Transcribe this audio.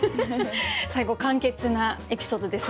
最後簡潔なエピソードですね。